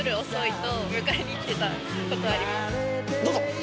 どうぞ。